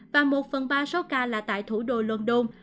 và một phần ba số ca là tại thủ đô london